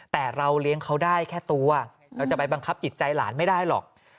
แต่เราเลี้ยงเขาได้แค่ตัวเราจะไปบังคับจิตใจหลานไม่ได้หรอก